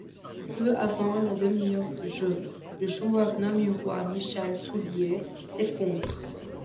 Peu avant la demi-heure de jeu, le joueur namurois Michel Soulier s'effondre.